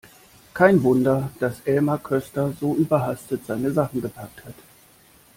Kein Wunder, dass Elmar Köster so überhastet seine Sachen gepackt hat!